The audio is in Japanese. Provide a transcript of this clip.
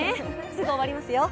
すぐ終わりますよ。